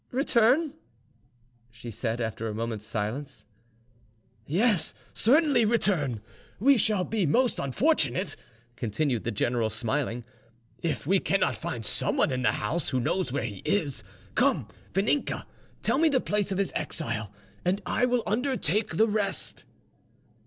"Return!" she said, after a moment's silence. "Yes, certainly return. We shall be most unfortunate," continued the general, smiling, "if we cannot find someone in the house who knows where he is. Come, Vaninka, tell me the place of his exile, and I will undertake the rest."